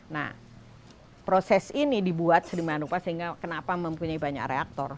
nah proses ini dibuat sedemikian rupa sehingga kenapa mempunyai banyak reaktor